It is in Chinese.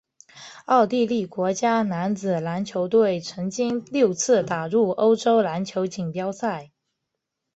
奥地利国家男子篮球队曾经六次打入欧洲篮球锦标赛。